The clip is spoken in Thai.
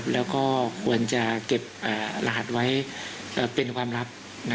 แล้วก็ควรจะเก็บรหัสไว้เป็นความลับ